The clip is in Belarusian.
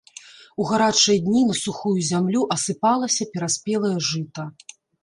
У гарачыя дні на сухую зямлю асыпалася пераспелае жыта.